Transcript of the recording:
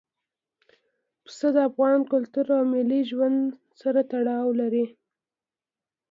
پسه د افغان کلتور او ملي ژوند سره تړاو لري.